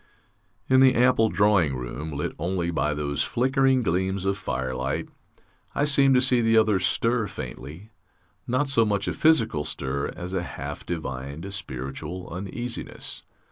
In the ample drawing room, lit only by those flickering gleams of firelight, I seemed to see the others stir faintly not so much a physical stir as a half divined spiritual uneasiness.